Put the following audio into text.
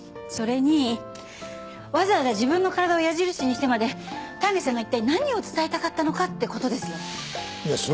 それにわざわざ自分の体を矢印にしてまで丹下さんが一体何を伝えたかったのかって事ですよ。